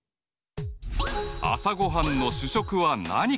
朝ごはんの主食は何か？